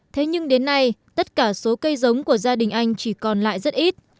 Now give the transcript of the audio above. thế nhưng đến nay tất cả số cây giống của gia đình anh chỉ còn lại rất ít